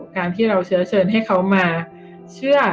การที่เราเชื้อเชิญให้เขามาเชื่อ